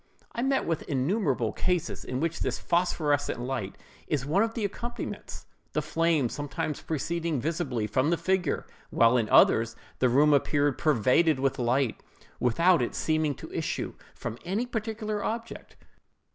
I meet with innumerable cases in which this phosphorescent light is one of the accompaniments, the flame sometimes proceeding visibly from the figure; while in others, the room appeared pervaded with light, without its seeming to issue from any particular object.